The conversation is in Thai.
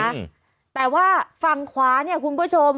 แบบบีคลิปเนี่ยเลยนะคะแต่ว่าฝั่งขวาเนี่ยคุณผู้ชม